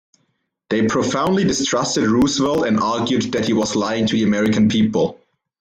They profoundly distrusted Roosevelt and argued that he was lying to the American people.